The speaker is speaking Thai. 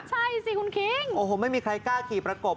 ใช่สิคุณคิงโอ้โหไม่มีใครกล้าขี่ประกบ